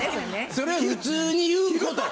それ普通に言うこと。